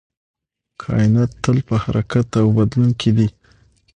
کائنات تل په حرکت او بدلون کې دی